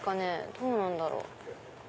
どうなんだろう？